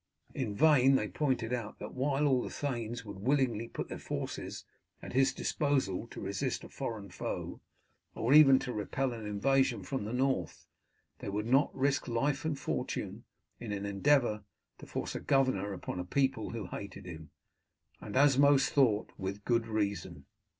In vain they pointed out that while all the thanes would willingly put their forces at his disposal to resist a foreign foe, or even to repel an invasion from the north, they would not risk life and fortune in an endeavour to force a governor upon a people who hated him, and, as most thought, with good reason.